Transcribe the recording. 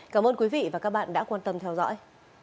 cảm ơn quý vị và các bạn đã quan tâm theo dõi